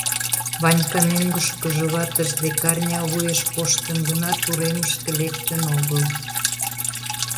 Ванька мӧҥгышкыжӧ ватыж дек арня вуеш коштын гынат, уремышке лектын огыл.